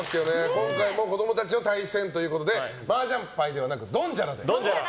今回も子供たちの対戦ということでマージャン牌ではなくドンジャラで。